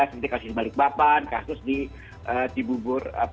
seperti kasus di balikpapan kasus di bubur seperti itu